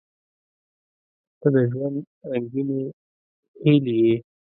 • ته د ژوند رنګینې هیلې یې.